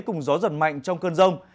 cùng gió giật mạnh trong cơn rông